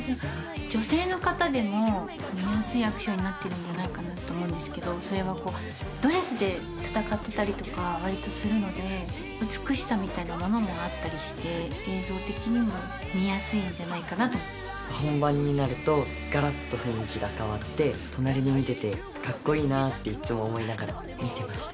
女性の方でも見やすいアクションになってるんじゃないかなと思うんですけど、それはドレスで戦ってたりとかわりとするので、美しさみたいなものもあったりして、映像的にも見やすいんじゃな本番になるとがらっと雰囲気が変わって、隣で見ててかっこいいなっていつも思いながら見てました。